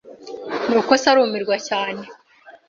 Nuko se arumirwa cyane